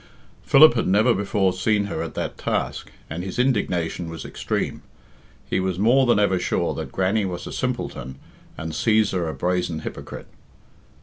Philip had never before seen her at that task, and his indignation was extreme. He was more than ever sure that Grannie was a simpleton and Cæsar a brazen hypocrite.